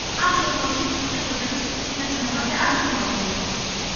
ამ შემთხვევაში ფუტკრის ოჯახის შენარჩუნებაზე არ ზრუნავდნენ.